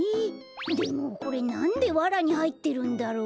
でもこれなんでわらにはいってるんだろう？